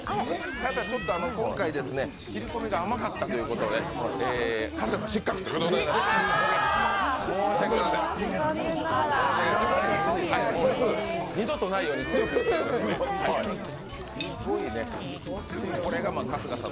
ただ、ちょっと今回、切り込みが甘かったということで、春日さん失格ということで申し訳ありません。